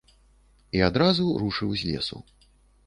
І адразу рушыў з лесу.